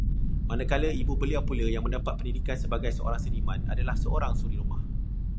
Manakala ibu beliau pula yang mendapat pendidikan sebagai seorang seniman, adalah seorang suri rumah